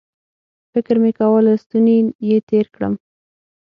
فکر مې کاوه له ستوني یې تېر کړم